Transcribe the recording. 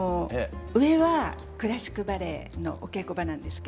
上はクラシックバレエのお稽古場なんですけど。